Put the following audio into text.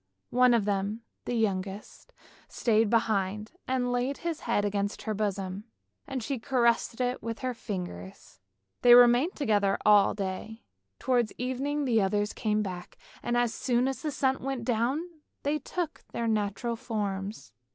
One of them, the youngest, stayed behind. He laid his head against her bosom, and she caressed it with her ringers. They remained together all day; towards evening the others came back, and as soon as the sun went down they took their natural forms.